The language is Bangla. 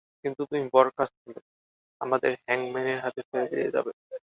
কিন্তু তুমি বরখাস্ত হলে, আমাদের হ্যাংম্যানের হাতে ছেড়ে দিয়ে যাবে।